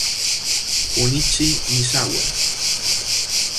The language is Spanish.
Junichi Misawa